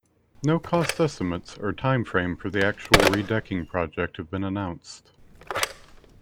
No cost estimates or time frame for the actual redecking project have been announced.